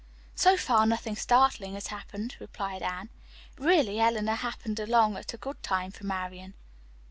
"So far nothing startling has happened," replied Anne. "Really, Eleanor happened along at a good time for Marian."